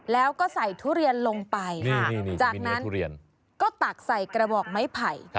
แล้วก็ใส่ทุเรียนลงไปจากนั้นทุเรียนก็ตักใส่กระบอกไม้ไผ่